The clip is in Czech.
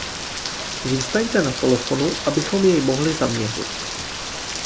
Zůstaňte na telefonu, abychom jej mohli zaměřit.